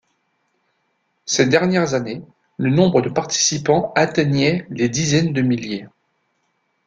Ces dernières années, le nombre de participants atteignait les dizaines de milliers.